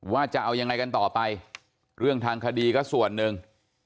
จะเอายังไงกันต่อไปเรื่องทางคดีก็ส่วนหนึ่ง